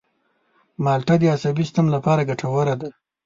مالټه د عصبي سیستم لپاره ګټوره ده.